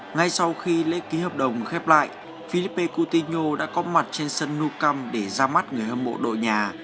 ngay sau khi lễ ký hợp đồng khép lại filipe coutinho đã có mặt trên sân nuka